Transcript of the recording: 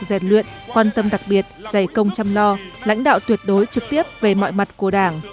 rèn luyện quan tâm đặc biệt giải công chăm lo lãnh đạo tuyệt đối trực tiếp về mọi mặt của đảng